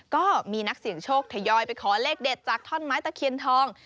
ก็มีนักเสี่ยงโชคทยอยไปขอเลขเด็ดจากท่อนไม้ตะเคียนทอง